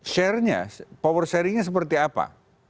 share nya power sharing nya seperti apa